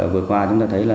vừa qua chúng ta thấy là